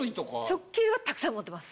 食器はたくさん持ってます。